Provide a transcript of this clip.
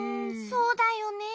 そうだよね。